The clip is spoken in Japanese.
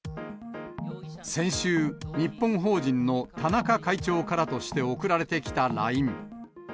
先週、日本法人の田中会長からとして送られてきたＬＩＮＥ。